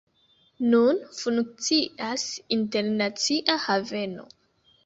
Nun funkcias internacia haveno.